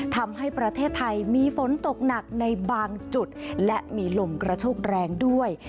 ทำให้ประเทศไทยมีฝนตกหนักในบางจุดและมีลมกระโชกแรงด้วย